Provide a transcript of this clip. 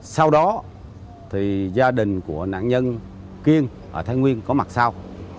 sau đó thì gia đình của nạn nhân kiên ở thanh nguyên có mặt sau